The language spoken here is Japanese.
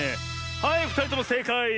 はいふたりともせいかい！